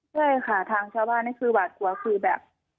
ใช่ค่ะทางชาวบ้านนี่คือหวาดกลัวคือแบบ